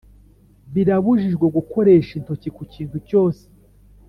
Birabujijwe gukoresha intoki ku kintu cyose